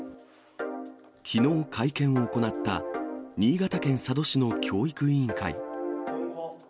きのう会見を行った、新潟県佐渡市の教育委員会。